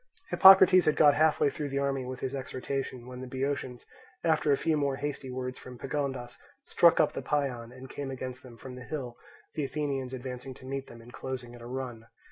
Hippocrates had got half through the army with his exhortation, when the Boeotians, after a few more hasty words from Pagondas, struck up the paean, and came against them from the hill; the Athenians advancing to meet them, and closing at a run.